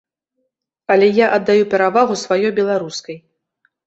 Але я аддаю перавагу сваёй беларускай.